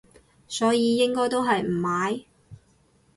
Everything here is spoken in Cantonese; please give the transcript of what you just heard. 所以應該都係唔買